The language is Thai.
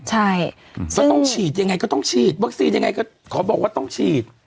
ใช่ก็ต้องฉีดยังไงก็ต้องฉีดวัคซีนยังไงก็ขอบอกว่าต้องฉีด